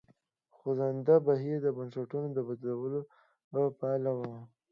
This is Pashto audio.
خوځنده بهیر د بنسټونو د بدلون پایله وه.